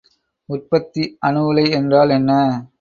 உற்பத்தி அணு உலை என்றால் என்ன?